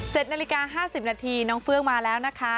นาฬิกาห้าสิบนาทีน้องเฟื้องมาแล้วนะคะ